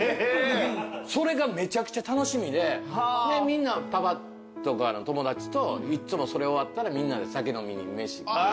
それがめちゃくちゃ楽しみでみんなパパとか友達といっつもそれ終わったらみんなで酒飲みに飯。